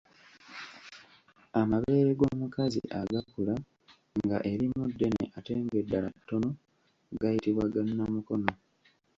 Amabeere g’omukazi agakula nga erimu ddene ate ng’eddala ttono gayitibwa ga Namukono.